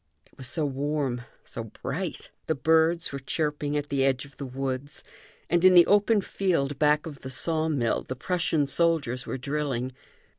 It was so warm, so bright! The birds were chirping at the edge of the woods; and in the open field back of the saw mill the Prussian soldiers were drilling.